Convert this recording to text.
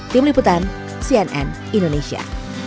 tim liputan cnn indonesia